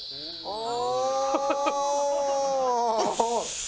ああ。